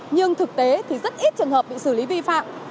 nhưng thực tế thì rất ít trường hợp bị xử lý vi phạm